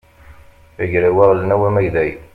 agraw aɣelnaw amagday